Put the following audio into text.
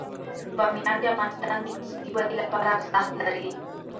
بامیان د افغانستان د اقتصادي ودې لپاره ارزښت لري.